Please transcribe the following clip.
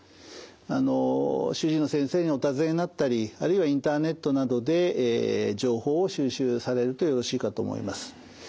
あの主治医の先生にお尋ねになったりあるいはインターネットなどで情報を収集されるとよろしいかと思います。